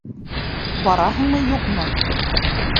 Бараһыңмы, юҡмы?